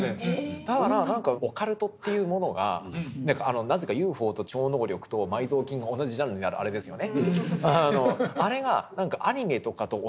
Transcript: だから何かオカルトというものがなぜかＵＦＯと超能力と埋蔵金が同じジャンルにあるあれですよね。